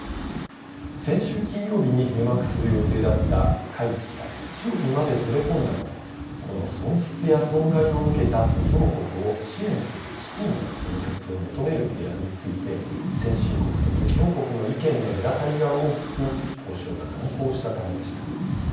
先週、金曜日に閉幕する予定だった会期が日曜日までずれ込んだのもこの損失や損害を受けた途上国を支援する基金の創設を求める提案について先進国と途上国の意見の隔たりが大きく交渉が難航したためでした。